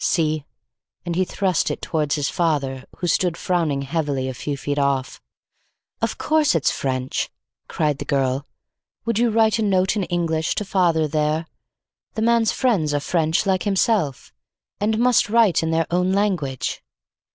"See," and he thrust it towards his father who stood frowning heavily a few feet off. "Of course, it's French," cried the girl. "Would you write a note in English to father there? The man's friends are French like himself, and must write in their own language."